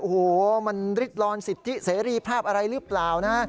โอ้โหมันริดร้อนสิทธิเสรีภาพอะไรหรือเปล่านะ